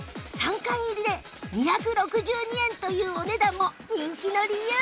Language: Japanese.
３巻入りで２６２円というお値段も人気の理由